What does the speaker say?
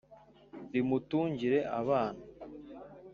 rimutungire abana.